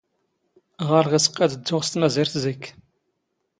ⵖⴰⵍⵖ ⵉⵙ ⵇⴰⴷ ⴷⴷⵓⵖ ⵙ ⵜⵎⴰⵣⵉⵔⵜ ⵣⵉⴽ.